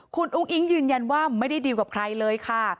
คุณอุ้งอิ๊งยืนยันว่าไม่ได้ดีลกับใครเลยค่ะ